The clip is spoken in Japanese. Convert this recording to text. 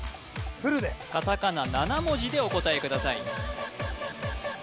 フルでカタカナ７文字でお答えください